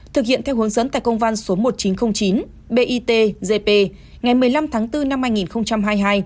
thực hiện theo hướng dẫn tại công văn số một nghìn chín trăm linh chín bitgp ngày một mươi năm tháng bốn năm hai nghìn hai mươi hai